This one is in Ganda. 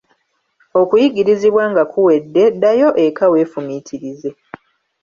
Okuyigirizibwa nga kuwedde, ddayo eka weefumiitirize.